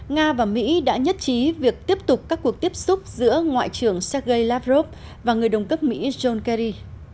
nga và mỹ đã nhất trí việc tiếp tục các cuộc tiếp xúc giữa ngoại trưởng sergei lavrov và người đồng cấp mỹ john kerry